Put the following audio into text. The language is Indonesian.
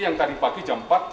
yang tadi pagi jam empat